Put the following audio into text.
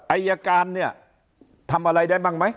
อายการเนี่ยทำอะไรได้บ้างไหม